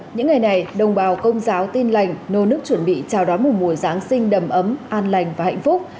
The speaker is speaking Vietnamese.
những ngày này đồng bào công giáo tin lành nô nước chuẩn bị chào đón một mùa giáng sinh đầm ấm an lành và hạnh phúc